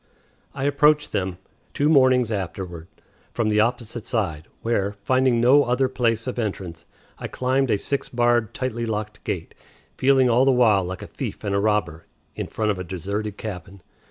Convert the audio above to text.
I approached them, two mornings afterward, from the opposite side, where, finding no other place of entrance, I climbed a six barred, tightly locked gate feeling all the while like "a thief and a robber" in front of a deserted cabin.